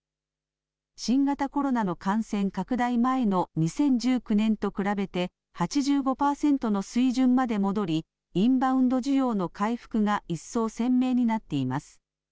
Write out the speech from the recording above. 新型コロナの感染拡大前の２０１９年と比べて８５パーセントの水準まで戻りインバウンド需要の回復が一層鮮明になっています。